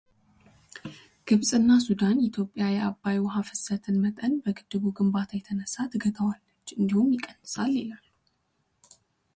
ግብፅና ሱዳን ኢትዮጵያ የአባይ ውሃ ፍሰትን መጠን በግድቡ ግንባታ የተነሳ ትገታዋለች እንዲሁም ይቀንሳል ይላሉ።